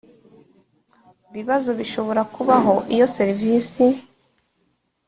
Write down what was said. bibazo bishobora kubaho iyo serivisi